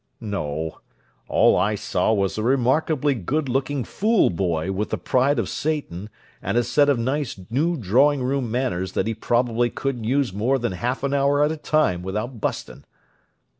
"No. All I saw was a remarkably good looking fool boy with the pride of Satan and a set of nice new drawing room manners that he probably couldn't use more than half an hour at a time without busting."